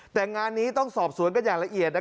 แต่งานนี้ต้องสอบสวนกันอย่างละเอียด